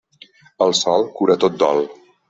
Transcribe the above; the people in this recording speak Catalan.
El sol cura tot dol.